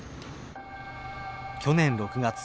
去年６月。